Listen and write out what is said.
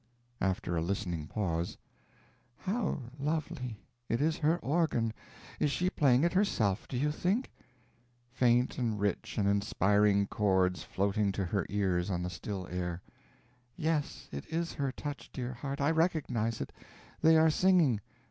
After a listening pause: "How lovely! It is her organ. Is she playing it herself, do you think?" Faint and rich and inspiring the chords floating to her ears on the still air. "Yes, it is her touch, dear heart, I recognize it. They are singing.